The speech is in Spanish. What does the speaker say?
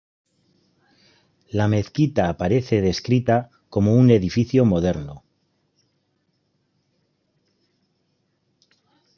La mezquita aparece descrita como un edificio "moderno".